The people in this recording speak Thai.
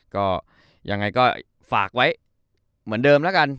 ก็ยังไงก็ฝากไว้เหมือนเดิมแล้วกัน